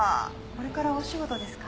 これからお仕事ですか？